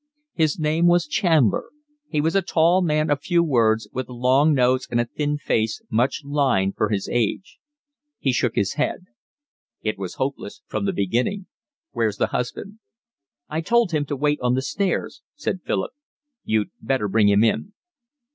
His name was Chandler. He was a tall man of few words, with a long nose and a thin face much lined for his age. He shook his head. "It was hopeless from the beginning. Where's the husband?" "I told him to wait on the stairs," said Philip. "You'd better bring him in."